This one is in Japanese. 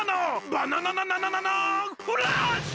バナナナナナナナーンフラッシュ！